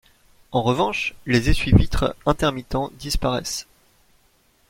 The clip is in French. En revanche, les essuies-vitres intermittents disparaissent.